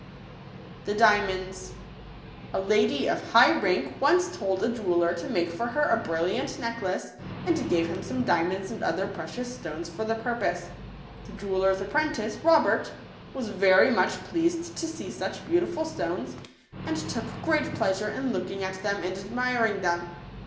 ®|jc Sismonfe LADY of high rank once told a jeweller to make for her a brilliant necklace, and gave him some dia monds and other precious stones for the purpose. The jeweller's apprentice, Robert, was very much pleased to see such beautiful stones, and took great pleasure in 70 looking at them and admiring them.